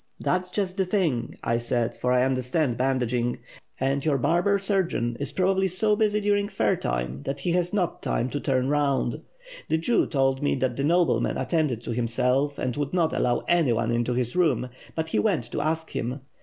'That's just the thing' I said, for I under stand bandaging, and your barber surgeon is probably so busy during fair time that he has not time to turn round. The Jew told me that the nobleman attended to himself and would not allow anyone into his room; but he went to ask him.